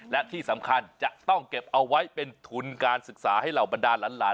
และที่สำคัญจะต้องเก็บเอาไว้เป็นทุนการศึกษาให้เหล่าบรรดาหลาน